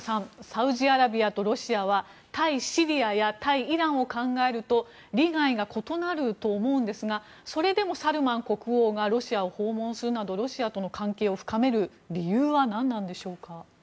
サウジアラビアとロシアは対シリアや対イランを考えると利害が異なると思うんですがそれでもサルマン国王がロシアを訪問するなどロシアとの関係を深める理由は何なのでしょうか。